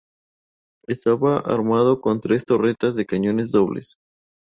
Estaba armado con tres torretas de cañones dobles.